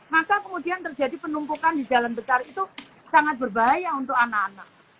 maka kemudian terjadi penumpukan di jalan besar itu sangat berbahaya untuk anak anak